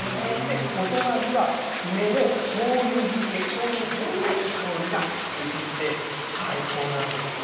お隣は、梅のしょうゆ漬け、しょうゆ、いい香りがうつって、最高なんですよ。